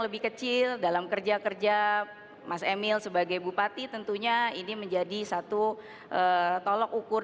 lebih kecil dalam kerja kerja mas emil sebagai bupati tentunya ini menjadi satu tolok ukur